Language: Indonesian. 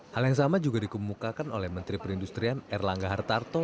hal yang sama juga dikemukakan oleh menteri perindustrian erlangga hartarto